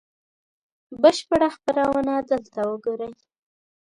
بشپړه خپرونه دلته وګورئ